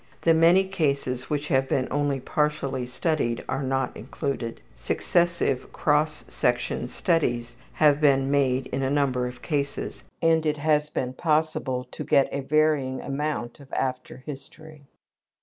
The many cases which have been only partially studied are not included. Successive cross section studies have been made in a number of cases, and it has been possible to get a varying amount of after history.